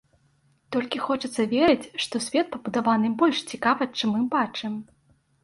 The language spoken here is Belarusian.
Толькі хочацца верыць, што свет пабудаваны больш цікава, чым мы бачым.